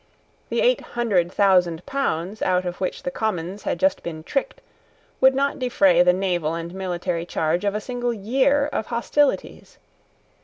The eight hundred thousand pounds out of which the Commons had just been tricked would not defray the naval and military charge of a single year of hostilities.